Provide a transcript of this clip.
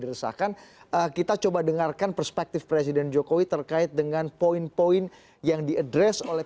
diresahkan kita coba dengarkan perspektif presiden jokowi terkait dengan poin poin yang diadres oleh